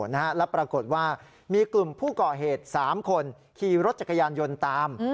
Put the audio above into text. แล้วปรากฏว่ามีกลุ่มผู้ก่อเหตุ๓คนขี่รถจักรยานยนต์ตาม